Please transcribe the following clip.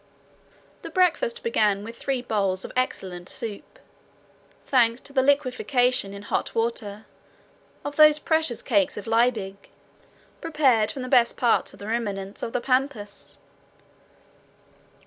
The breakfast began with three bowls of excellent soup, thanks to the liquefaction in hot water of those precious cakes of Liebig, prepared from the best parts of the ruminants of the Pampas.